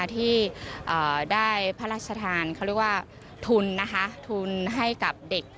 ที่ได้พระราชทานทุนให้กับเด็ก